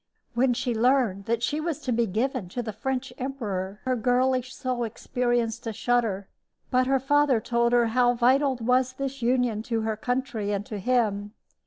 When she learned that she was to be given to the French emperor her girlish soul experienced a shudder; but her father told her how vital was this union to her country and to him.